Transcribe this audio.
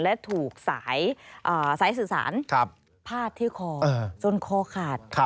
และถูกสายสื่อสารพาดที่คอจนคอขาด